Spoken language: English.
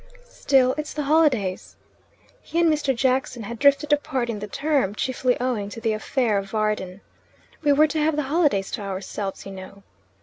"Still, it's the holidays " He and Mr. Jackson had drifted apart in the term, chiefly owing to the affair of Varden. "We were to have the holidays to ourselves, you know."